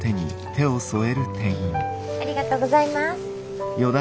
ありがとうございます。